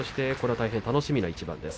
大変楽しみな取組です。